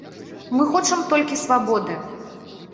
Мы хочам толькі свабоды.